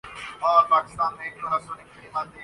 کپتان بدلنا مسائل کا حل نہیں بلکہ نظام کو بدلنا ہوگا